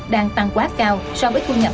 đang tăng quá cao so với thu nhận